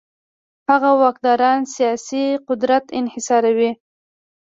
هغه واکداران سیاسي قدرت انحصاروي.